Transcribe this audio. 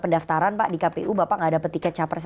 pendaftaran pak di kpu bapak nggak dapat tiket capres